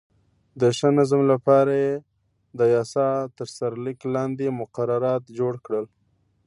د ښه نظم لپاره یې د یاسا تر سرلیک لاندې مقررات جوړ کړل.